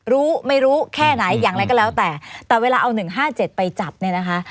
รู้ไม่รู้แค่ไหนอย่างไรก็แล้วแต่แต่เวลาเอา๑๕๗ไปจับเนี่ยนะคะ